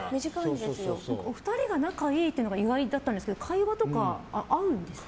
お二人が仲がいいっていうのが意外だったんですけど会話とか合うんですか？